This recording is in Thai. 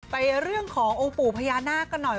ไปเรื่องขององค์ปู่พญานาคกันหน่อย